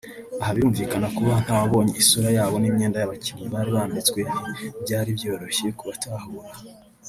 Aha birumvikana kuba ntawababonye isura yabo n’imyenda y’abakinnyi bari bambitswe nti byari byoroshye kubatahura